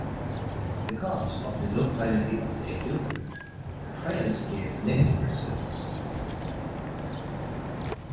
Because of the low quality of the equipment, the trials gave negative results.